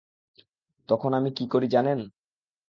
তখন আমি কী করি জানেন?